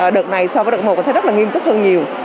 đợt này so với đợt một thấy rất là nghiêm túc hơn nhiều